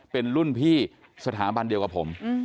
เป็นรุ่นพี่สถาบันเดียวกับผม